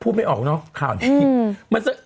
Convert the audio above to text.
ไม่ออกเนอะข่าวนี้